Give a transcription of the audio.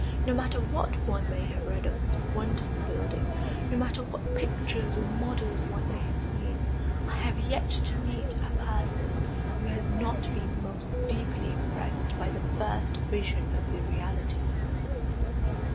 No matter what one may have read of this wonderful building, no matter what pictures or models one may have seen, I have yet to meet a person who has not been most deeply impressed by the first vision of the reality.